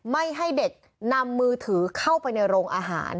ไม่ให้เด็กนำมือถือเข้าไปในโรงอาหาร